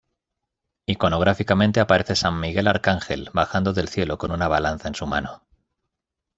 Iconográficamente aparece San Miguel Arcángel bajando del cielo con una balanza en su mano.